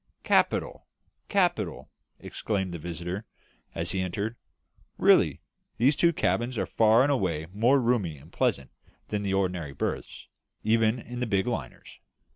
"Capital, capital!" exclaimed the visitor, as he entered. "Really, these two cabins are far and away more roomy and pleasant than the ordinary berths, even in the big liners.